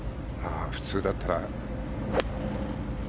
普通だったら。